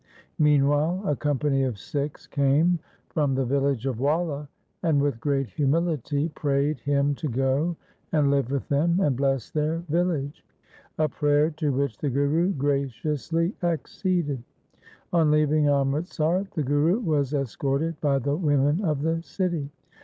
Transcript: Meanwhile a company of Sikhs came from the village of Walla, and with great humility prayed him to go and live with them and bless their village, a prayer to which the Guru graciously acceded. On leaving Amritsar the Guru was escorted by the women of the city.